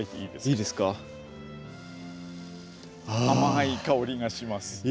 甘い香りがします。